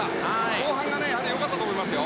後半が良かったと思いますよ。